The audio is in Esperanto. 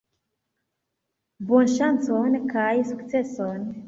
Bonŝancon kaj sukceson!